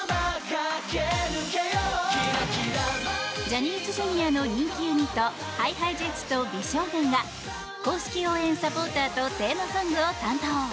ジャニーズＪｒ．の人気ユニットＨｉＨｉＪｅｔｓと美少年が公式応援サポーターとテーマソングを担当。